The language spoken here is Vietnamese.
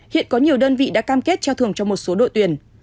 hiện có nhiều đơn vị đã cam kết trao thưởng cho một số đội tuyển